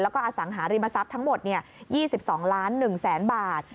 แล้วก็อสังหาริมทรัพย์ทั้งหมด๒๒ล้าน๑แสนบาท